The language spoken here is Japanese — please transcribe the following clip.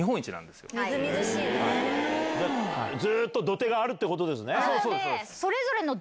ずっと土手があるってことですね。